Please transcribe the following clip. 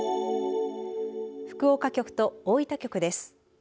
福岡局と大分局です。